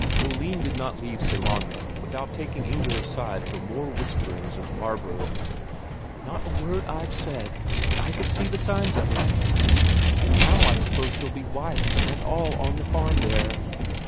Oline did not leave Sellanraa without taking Inger aside for more whisperings of Barbro. "Not a word I've said but I could see the signs of it! And now I suppose she'll be wife and all on the farm there.